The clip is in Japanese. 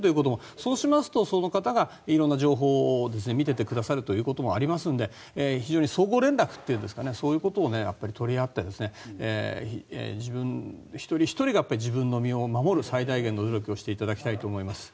そうしますとその方が色んな情報を見ててくださることもありますので非常に相互連絡というかそういったことを取り合って自分一人ひとりが自分の身を守る最大限の努力をしていただきたいと思います。